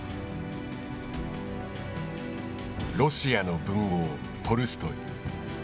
ロシアの文豪トルストイ。